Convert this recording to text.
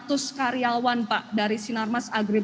terima kasih pak